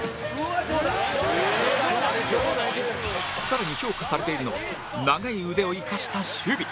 更に評価されているのは長い腕を生かした守備